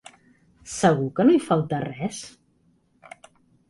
Segur que no hi falta res?